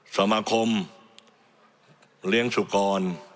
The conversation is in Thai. สมาคมเลี้ยงสุกร